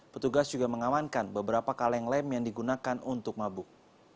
petugas juga mengamankan beberapa kaleng lem yang digunakan untuk mabuk